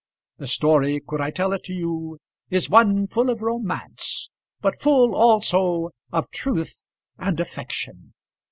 The story, could I tell it to you, is one full of romance, but full also of truth and affection.